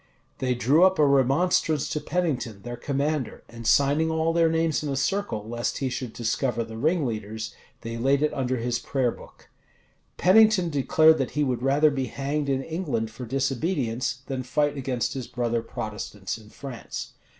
They drew up a remonstrance to Pennington, their commander, and signing all their names in a circle, lest he should discover the ringleaders, they laid it under his prayer book. Pennington declared that he would rather be hanged in England for disobedience, than fight against his brother Protestants in France.